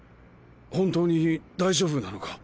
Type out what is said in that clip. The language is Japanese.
本当に大丈夫なのか？